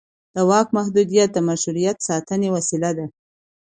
د واک محدودیت د مشروعیت ساتنې وسیله ده